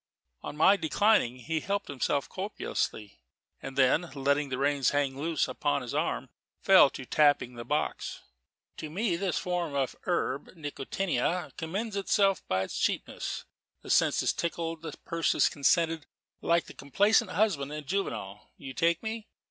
On my declining, he helped himself copiously; and then, letting the reins hang loose upon his arm, fell to tapping the box. "To me this form of the herb nicotiana commends itself by its cheapness: the sense is tickled, the purse consenting like the complaisant husband in Juvenal: you take me?